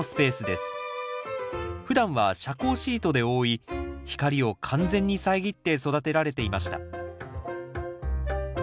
ふだんは遮光シートで覆い光を完全に遮って育てられていました